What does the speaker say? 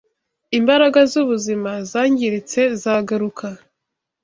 imbaraga z’ubuzima zangiritse zagaruka.